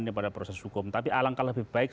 ini pada proses hukum tapi alangkah lebih baik